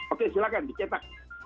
oke silahkan dicetak